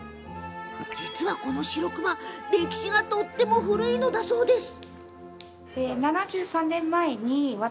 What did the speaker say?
実は、このしろくま歴史がとっても古いんだそうです。